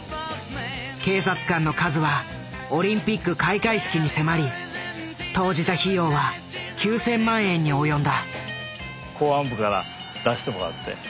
警察官の数はオリンピック開会式に迫り投じた費用は９，０００万円に及んだ。